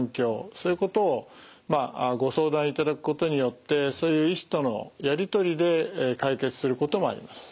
そういうことをご相談いただくことによってそういう医師とのやり取りで解決することもあります。